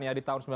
baik bung lerhar